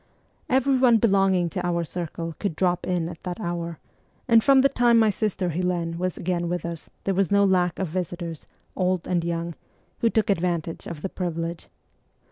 Everyone belonging to our circle could drop in at that hour, and from the time my sister Helene was again with us 11 there was no lack of visitors, old and young, who took advantage of the privilege.